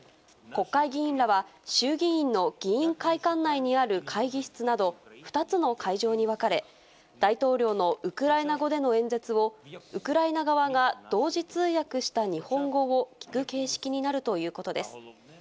国会議員らは、衆議院の議員会館内にある会議室など、２つの会場に分かれ、大統領のウクライナ語での演説を、ウクライナ側が同時通訳した日本語を聞く形式になるということです。